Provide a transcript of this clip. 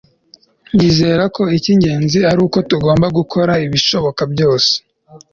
nizera ko icy'ingenzi ari uko tugomba gukora ibishoboka byose